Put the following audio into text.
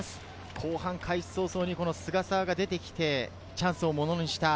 後半開始早々、菅澤が出てきて、チャンスをものにした。